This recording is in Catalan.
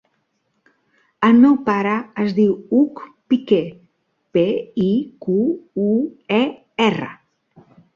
El meu pare es diu Hug Piquer: pe, i, cu, u, e, erra.